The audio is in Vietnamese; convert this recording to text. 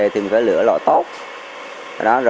một mươi năm triệu đồng